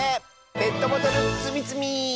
「ペットボトルつみつみ」！